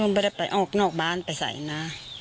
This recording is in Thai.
ไม่ได้ไปออกนอกบ้านไปใส่นะ